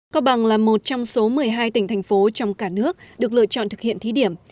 cao bằng là một trong số một mươi hai tỉnh thành phố trong cả nước được lựa chọn thực hiện thí điểm